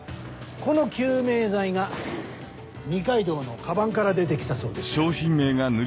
この救命剤が二階堂のカバンから出て来たそうです。